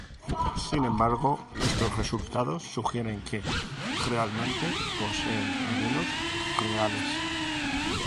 Sin embargo, estos resultados sugieren que realmente poseen venenos reales.